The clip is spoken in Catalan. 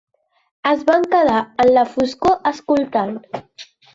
Es van quedar en la foscor escoltant.